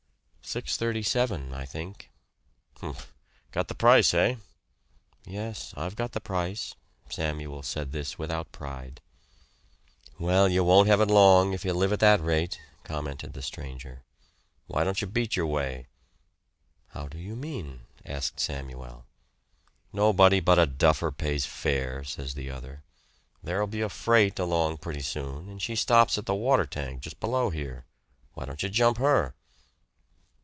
"Six thirty seven, I think." "Humph! Got the price, hey!" "Yes I've got the price." Samuel said this without pride. "Well, you won't have it long if you live at that rate," commented the stranger. "Why don't you beat your way?" "How do you mean?" asked Samuel. "Nobody but a duffer pays fare," said the other. "There'll be a freight along pretty soon, and she stops at the water tank just below here. Why don't you jump her?"